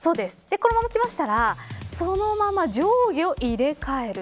このまま、きましたらそのまま上下を入れ替える。